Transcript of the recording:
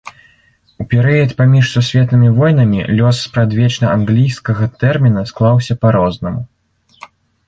У перыяд паміж сусветнымі войнамі лёс спрадвечна англійскага тэрміна склаўся па-рознаму.